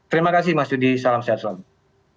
terima kasih mas dudi salam sehat selalu